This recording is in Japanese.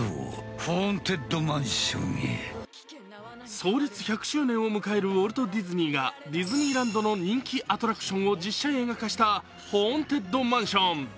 創立１００周年を迎えるウォルト・ディズニーがディズニーランドの人気アトラクションを実写映画化した「ホーンテッドマンション」。